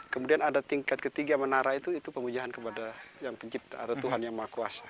kemudian ada tingkat ketiga menara itu pemujaan kepada yang pencipta atau tuhan yang maha kuasa